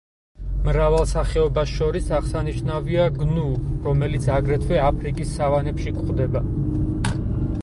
მრავალ სახეობას შორის აღსანიშნავია გნუ, რომელიც აგრეთვე აფრიკის სავანებში გვხვდება.